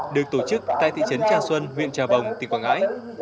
được tổ chức tại thị trấn trà xuân huyện trà bồng tỉnh quảng ngãi